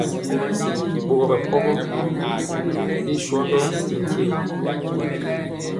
Ɓogɔ ɓɛpɔgɔ i sɔndɔ mi nkye rɔ.